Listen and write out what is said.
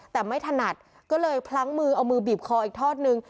แต่ไม่ถนัดก็เลยพลั้งมือเอามือบีบคออีกทอดนึง